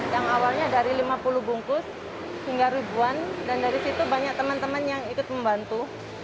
yang awalnya dari lima puluh bungkus hingga ribuan dan dari situ banyak teman teman yang ikut membantu